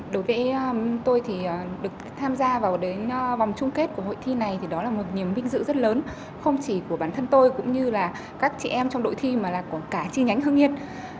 đối với tôi thì được tham gia vào đến vòng chung kết của hội thi này thì đó là một niềm vinh dự rất lớn không chỉ của bản thân tôi cũng như là các chị em trong đội thi mà là của cả chi nhánh hương yên